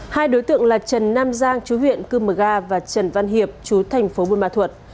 hai đối tượng là trần nam giang chú huyện cư mờ ga và trần văn hiệp chú thành phố buôn ma thuột